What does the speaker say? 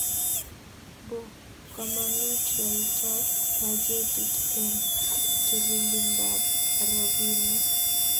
Bo kamanut yaetab bajetit eng telilindab robinik